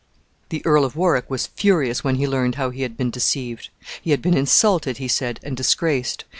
The Earl of Warwick was furious when he learned how he had been deceived. He had been insulted, he said, and disgraced.